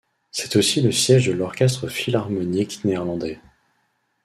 C’est aussi le siège de l’orchestre philharmonique néerlandais.